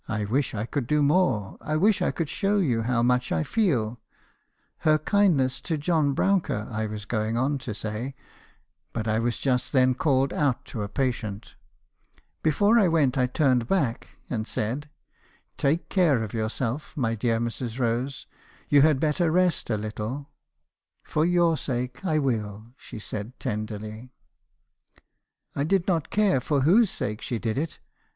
'1 wish I could do more, — I wish I could show you how ME. HJLBKISOn's CONFESSIONS. 295 much I feel —' her kindness to John Brouncker, I was going on to say ; but I was just then called out to a patient. Before I went I turned back , and said —" 'Take care of yourself, my dear Mrs. Rose ; you had better rest a little.' " 'For your sake, I will,' said she tenderly. "I did not care for whose sake she did it.